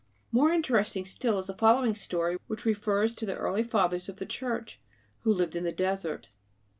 More interesting still is the following story which refers to the early Fathers of the Church, who lived in the desert.